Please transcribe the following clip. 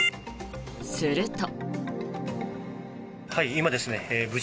すると。